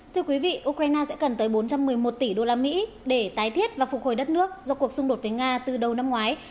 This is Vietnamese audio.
thưa quý vị ukraine sẽ cần tới bốn trăm một mươi một tỷ usd để tái thiết và phục hồi đất nước do cuộc xung đột với nga từ đầu năm ngoái